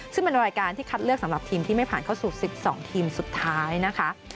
ซึ่งเป็นรายการที่คัดเลือกสำหรับทีมที่ไม่ผ่านเข้าสู่๑๒ทีมสุดท้ายนะคะ